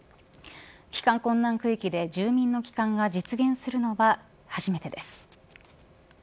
帰還困難区域で住民の帰還が実現するのは初めてです。